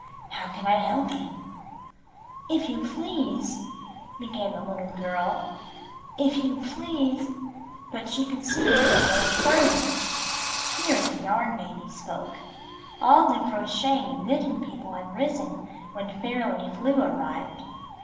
How can I help you?" "If you please —" began the Httle girl. "If you please —" but she could seem to get no further. Here the Yarn Baby spoke. All the Crocheting and Knitting People had risen when Fairly Flew arrived.